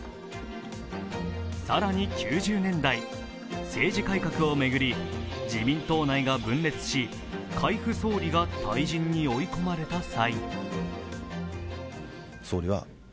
更に９０年代、政治改革を巡り自民党内が分裂し海部総理が退陣に追い込まれた際。